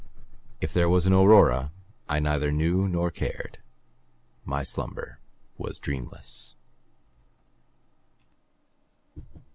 If there was an aurora I neither knew nor cared. My slumber was dreamless.